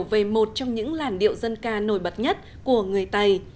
về một trong những làn điệu dân ca nổi bật nhất của người tày